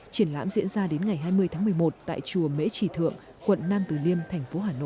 triển lãm diễn ra đến ngày hai mươi tháng một mươi một tại chùa mễ trì thượng quận nam từ liêm thành phố hà nội